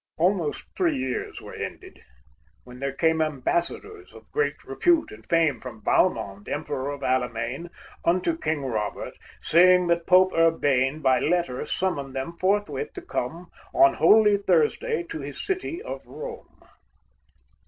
Almost three years were ended, when there came Ambassadors of great repute and fame From Valmond, Emperor of Allemaine, Unto King Robert, saying that Pope Urbane By letter summoned them forthwith to come On Holy Thursday to his City of Rome.